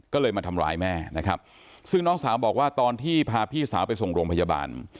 ก็เลยมาทำร้ายแม่นะครับซึ่งน้องสาวบอกว่าตอนที่พาพี่สาวไปส่งโรงพยาบาล